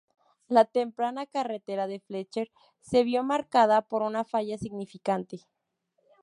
La temprana carrera de Fletcher se vio marcada por una falla significante.